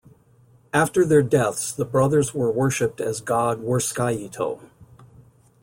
After their deaths the brothers were worshiped as god Wurskaito.